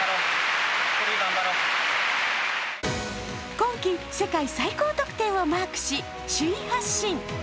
今季世界最高得点をマークし、首位発進。